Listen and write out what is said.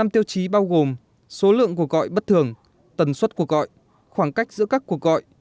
năm tiêu chí bao gồm số lượng cuộc gọi bất thường tần suất cuộc gọi khoảng cách giữa các cuộc gọi